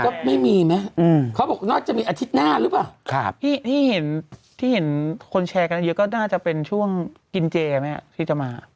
ก็ไม่มีไหมเขาบอกน่าจะมีอาทิตย์หน้าหรือเปล่าที่เห็นที่เห็นคนแชร์กันเยอะก็น่าจะเป็นช่วงกินเจไหมที่จะมา